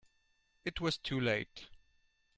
It was too late.